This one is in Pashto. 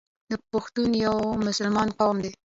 پښتون یو مسلمان قوم دی.